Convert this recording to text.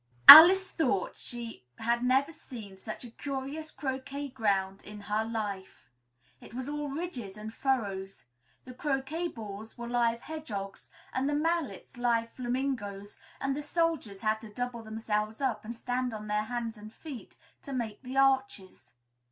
Alice thought she had never seen such a curious croquet ground in her life; it was all ridges and furrows. The croquet balls were live hedgehogs, and the mallets live flamingos and the soldiers had to double themselves up and stand on their hands and feet, to make the arches.